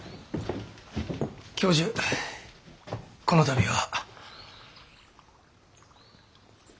教授この度は。